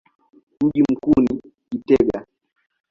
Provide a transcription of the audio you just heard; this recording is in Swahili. Mji mkuu ni Gitega.